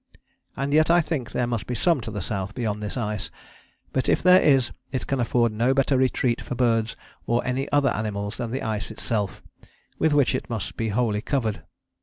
And yet I think there must be some to the south beyond this ice; but if there is it can afford no better retreat for birds, or any other animals, than the ice itself, with which it must be wholly covered.